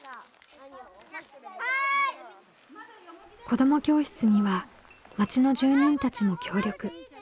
子ども教室には町の住人たちも協力。